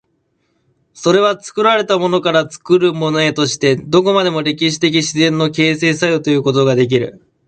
それは作られたものから作るものへとして、どこまでも歴史的自然の形成作用ということができる。